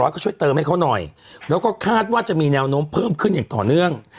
ก็ช่วยเติมให้เขาหน่อยแล้วก็คาดว่าจะมีแนวโน้มเพิ่มขึ้นอย่างต่อเนื่อง